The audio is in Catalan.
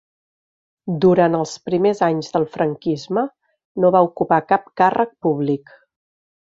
Durant els primers anys del franquisme no va ocupar cap càrrec públic.